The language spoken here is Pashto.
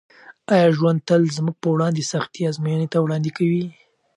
آیا ژوند تل زموږ پر وړاندې سختې ازموینې نه وړاندې کوي؟